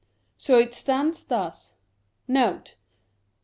So it stands thus :—* Note.